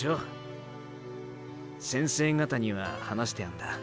先生方には話してアンだ。